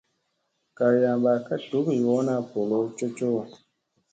Garyamba kaa duk yoona ɓolow cocoo.